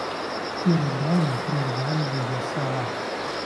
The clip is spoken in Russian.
И рыдания перервали ее слова.